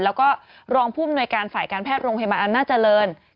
แล้วก็รองผู้อำนวยการฝ่ายการแพทย์โรงพยาบาลอำนาจเจริญ